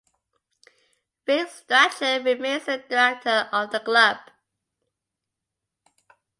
Rick Strachan remains a director of the club.